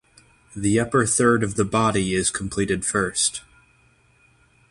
The upper third of the body is completed first.